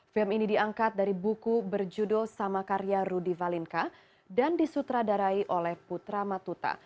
film ini diangkat dari buku berjudul sama karya rudy valinka dan disutradarai oleh putra matuta